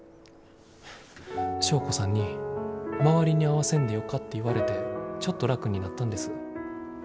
祥子さんに周りに合わせんでよかって言われてちょっと楽になったんです。